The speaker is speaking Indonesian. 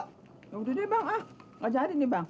yaudah deh bang ah nggak jadi nih bang